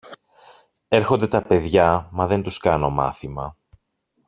Έρχονται τα παιδιά, μα δεν τους κάνω μάθημα.